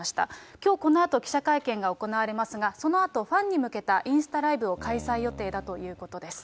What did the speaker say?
きょうこのあと記者会見が行われますが、そのあと、ファンに向けたインスタライブを開催予定だということです。